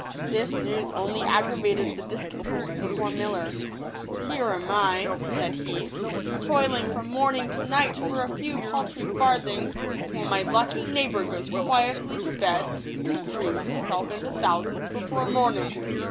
This news only aggravated the discontent of the poor miller. " Here am I," said he, " toiling from morning to night for a few paltry farthings, while my lucky neighbour goes quietly to bed, and dreams himself into thousands before morning.